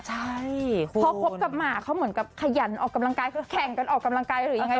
ใช่พอคบกับหมาเขาเหมือนกับขยันออกกำลังกายคือแข่งกันออกกำลังกายหรือยังไง